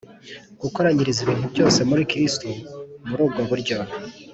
gukoranyiriza ibintu byose muri kristu muri ubwo buryo